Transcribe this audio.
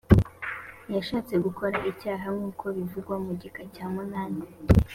yashatse gukora icyaha nk uko bivugwa mu gika cya munani